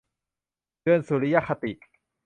เดือนสุริยคติ